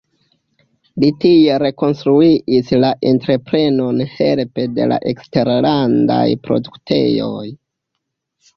Li tie rekonstruis la entreprenon helpe de la eksterlandaj produktejoj.